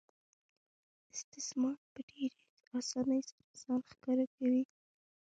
استثمار په ډېرې اسانۍ سره ځان ښکاره کوي